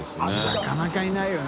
なかなかいないよね。